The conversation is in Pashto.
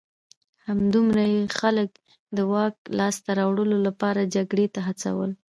همدومره یې خلک د واک لاسته راوړلو لپاره جګړې ته هڅول